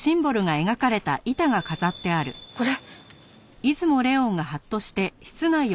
これ。